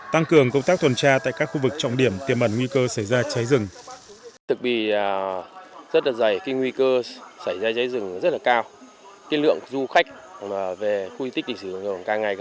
tăng cường công tác thuần tra tại các khu vực trọng điểm tiềm ẩn